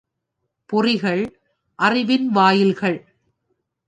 பொறிகள், அறிவின் வாயில்கள்.